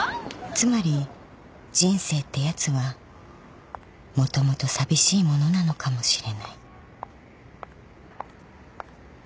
［つまり人生ってやつはもともと寂しいものなのかもしれない］